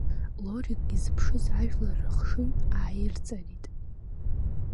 Лорик изԥшыз ажәлар рыхшыҩ ааирҵарит.